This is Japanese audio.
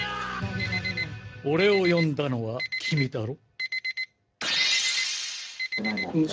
俺を呼んだのは君だろ。